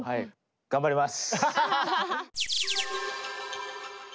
頑張ります！